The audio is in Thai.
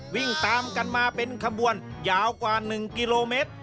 วิ่งตามกันมาเป็นขบวนยาวกว่า๑กิโลเมตร